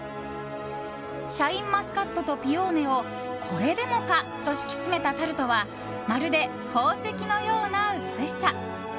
シャインマスカットとピオーネをこれでもかと敷き詰めたタルトはまるで宝石のような美しさ。